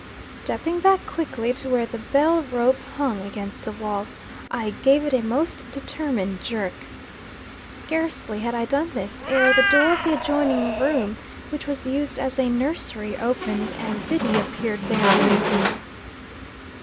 Stepping back quickly to where the bell rope hung against the wall, I gave it a most determined jerk. Scarcely had I done this, ere the door of the adjoining room, which was used as a nursery, opened, and Biddy appeared therein.